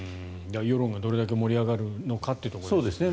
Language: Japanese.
世論がどれだけ盛り上がるのかということですね。